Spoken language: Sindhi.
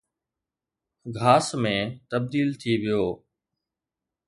گھاس ۾ تبديل ٿي ويو.